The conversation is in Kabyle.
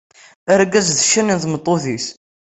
Argaz d ccan n tmeṭṭut-is.